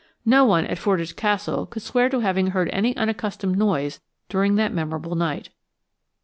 No one at Fordwych Castle could swear to having heard any unaccustomed noise during that memorable night.